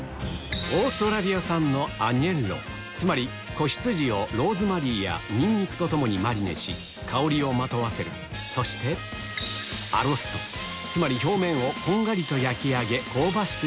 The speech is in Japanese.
オーストラリア産のローズマリーやニンニクと共にマリネし香りをまとわせるそしてつまり表面をこんがりと焼き上げ香ばしく